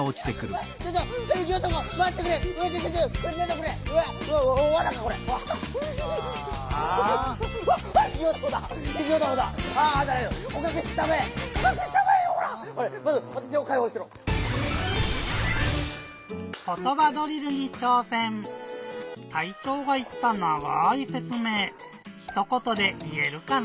ひとことでいえるかな？